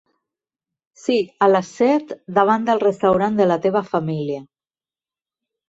Sí, a les set, davant del restaurant de la teva família.